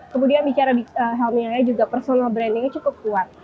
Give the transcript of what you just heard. kemudian bicara helmy ayah juga personal branding nya cukup kuat